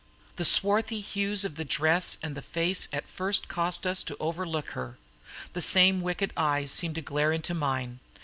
The swarthy hues of the dress and face had at first caused us to overlook her. The same wicked eyes seemed to glare into mine.